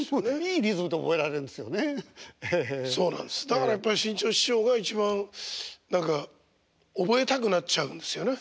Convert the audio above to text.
だからやっぱり志ん朝師匠が一番何か覚えたくなっちゃうんですよね。